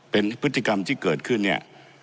เป็นพฤติกรรมที่เกิดขึ้นเนี่ย